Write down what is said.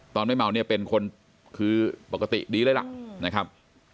ไม่เมาเนี่ยเป็นคนคือปกติดีเลยล่ะนะครับ